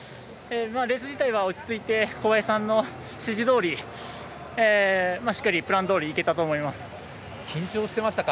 レース自体は落ち着いて小林さんの指示どおりしっかりプランどおり緊張してましたか？